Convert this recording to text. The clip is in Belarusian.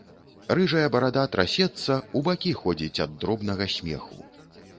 Рыжая барада трасецца, у бакі ходзіць ад дробнага смеху.